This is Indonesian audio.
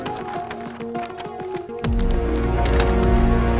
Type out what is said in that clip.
bila peripheral di luar